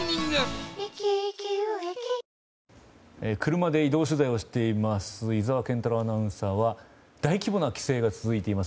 車で移動しています井澤健太朗アナウンサーは大規模な規制が続いています